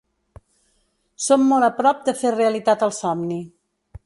Som molt a prop de fer realitat el somni.